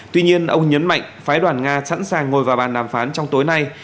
tuy nhiên ông nhấn mạnh phái đoàn nga sẵn sàng ngồi vào bàn đàm phán trong tối nay